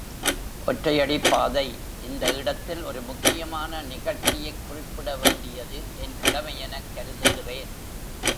ஒற்றையடிப் பாதை இந்த இடத்தில் ஒரு முக்கியமான நிகழ்ச்சியைக் குறிப்பிட வேண்டியது என் கடமையெனக் கருதுகிறேன்.